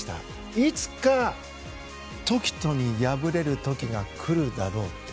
いつか凱人に敗れる時が来るだろうと。